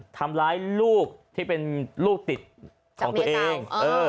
ทำร้ายลูกที่เป็นลูกติดของตัวเอง